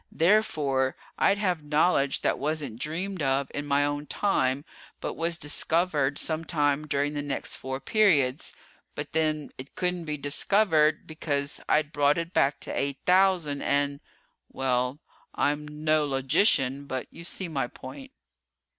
Therefore, I'd have knowledge that wasn't dreamed of in my own time, but was discovered sometime during the next four periods. But then it couldn't be discovered, because I'd brought it back to 8000 and well, I'm no Logician, but you see my point."